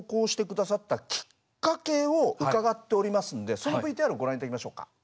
そのＶＴＲをご覧頂きましょうか。